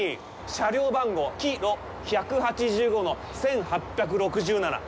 車両番号「キロ１８５１８６７」。